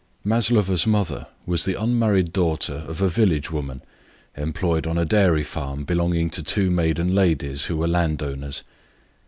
Maslova's mother was the unmarried daughter of a village woman, employed on a dairy farm, which belonged to two maiden ladies who were landowners.